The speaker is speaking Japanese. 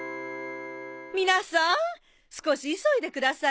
皆さん少し急いでくださいね。